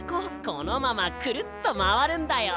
このままクルッとまわるんだよ。